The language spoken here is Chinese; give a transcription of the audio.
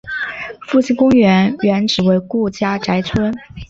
复兴公园原址为顾家宅村。